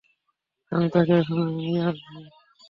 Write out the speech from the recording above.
আমি তাকে এখানে নিয়ে আসব।